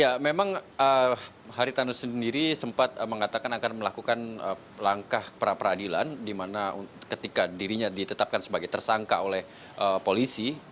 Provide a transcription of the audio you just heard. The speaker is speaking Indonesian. ya memang haritano sendiri sempat mengatakan akan melakukan langkah perapradilan dimana ketika dirinya ditetapkan sebagai tersangka oleh polisi